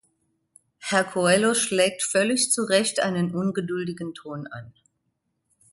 Herr Coelho schlägt völlig zu Recht einen ungeduldigen Ton an.